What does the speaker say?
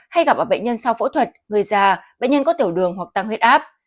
hay gặp ở bệnh nhân sau phẫu thuật người già bệnh nhân có tiểu đường hoặc tăng huyết áp